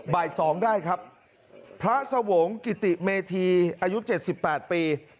บ่ายสองได้ครับพระสวงกิติเมธีอายุเจ็ดสิบแปดปี